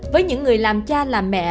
với những người làm cha làm mẹ